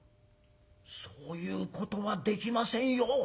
「そういうことはできませんよ。